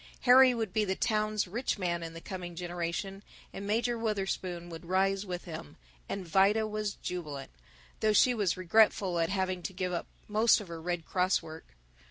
Harry would be the town's rich man in the coming generation, and Major Wutherspoon would rise with him, and Vida was jubilant, though she was regretful at having to give up most of her Red Cross work.